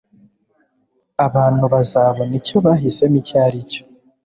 Abantu bazabona icyo bahisemo icyo aricyo